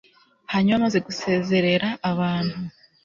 hanyuma amaze gusezerera abantu